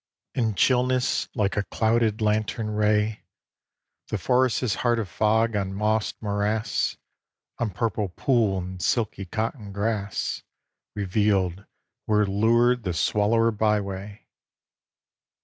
IV In chillness, like a clouded lantern ray, The forest's heart of fog on mossed morass, On purple pool and silky cotton grass, Revealed where lured the swallower byway.